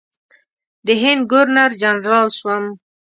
د هند ګورنر جنرال شوم.